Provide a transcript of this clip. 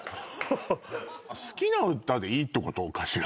好きな歌でいいってことかしら？